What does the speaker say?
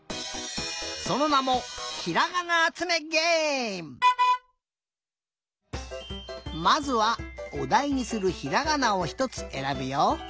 そのなもまずはおだいにするひらがなをひとつえらぶよ。